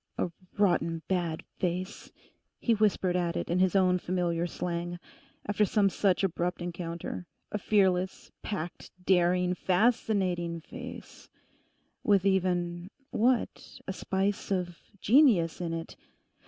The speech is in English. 'A rotten bad face,' he whispered at it in his own familiar slang, after some such abrupt encounter; a fearless, packed, daring, fascinating face, with even—what?—a spice of genius in it.